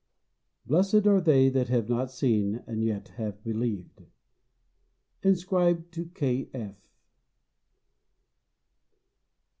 Blessed are they that have not seen, and yet have believed." [Inscribed to K. F.